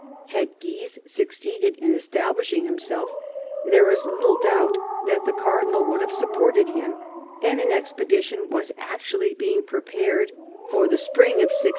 Had Guise succeeded in establishing himself, there is little doubt that the cardinal would have supported him, and an expedition was actually being prepared for the spring of 1648.